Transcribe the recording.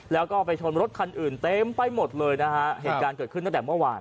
แล้วก็ไปชนรถคันอื่นเต็มไปหมดเลยนะฮะเหตุการณ์เกิดขึ้นตั้งแต่เมื่อวาน